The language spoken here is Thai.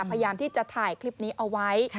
พยายามที่จะถ่ายคลิปนี้เอาไว้